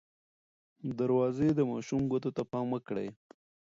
دروازې د ماشوم ګوتو ته پام وکړئ.